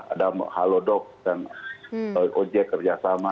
ada halodoc dan ojek kerjasama